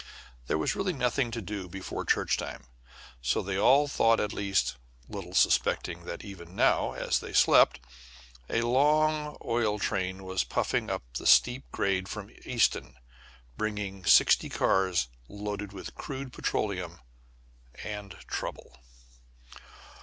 There was really nothing to do before church time. So they all thought, at least, little suspecting that even now, as they slept, a long oil train was puffing up the steep grade from Easton, bringing sixty cars loaded with crude petroleum and trouble.